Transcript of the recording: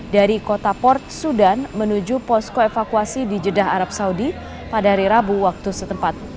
dari kota port sudan menuju posko evakuasi di jeddah arab saudi pada hari rabu waktu setempat